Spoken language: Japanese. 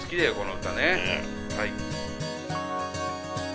はい。